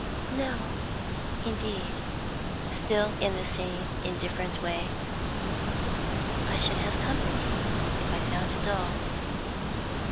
"No, indeed," still in the same indifferent way. "I should have company, if I found it dull."